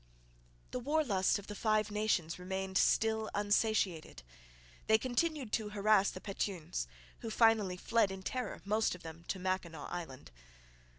] The war lust of the Five Nations remained still unsatiated. They continued to harass the Petuns, who finally fled in terror, most of them to Mackinaw Island.